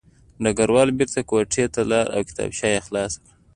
ډګروال بېرته کوټې ته لاړ او کتابچه یې خلاصه کړه